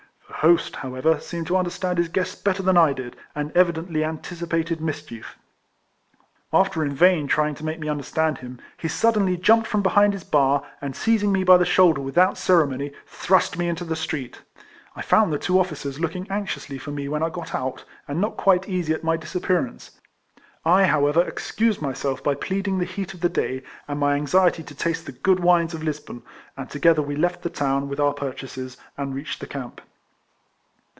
The host, however, seemed to understand his guests better than I did, and evidently anticipated mischief. After in vain trying to make me understand him, he suddenly jumped from behind his bar, and seizing me by the shoulder without ceremony, thrust me into the street. I found the two officers looking anxiously for me when I got out, and not quite easy at my disappearance. I however F 2 100 RFXOLLECTIONS OF excused m^^self by pleading the heat of the day, and my anxiety to taste the good wines of Lisbon, and together we left the town, with our purchases, and reached the camp.